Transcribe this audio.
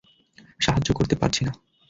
সাহায্য করতে পারছি না।